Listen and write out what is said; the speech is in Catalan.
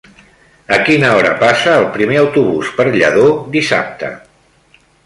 A quina hora passa el primer autobús per Lladó dissabte?